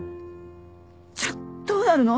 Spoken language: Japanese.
じゃあどうなるの？